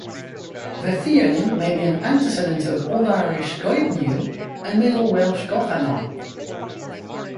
The theonym may be an antecedent of Old Irish Goibniu and Middle Welsh Gofannon.